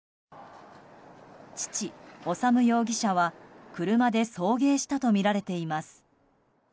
父・修容疑者は車で送迎したとみられています。